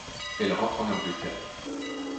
Elle rentre en Angleterre.